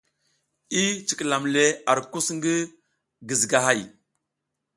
I cikilam le ar kus ngi gizigahay.